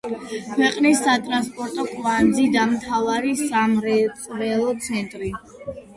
ქვეყნის სატრანსპორტო კვანძი და მთავარი სამრეწველო ცენტრი.